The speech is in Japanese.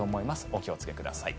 お気をつけください。